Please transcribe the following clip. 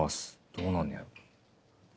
どうなんねやろ。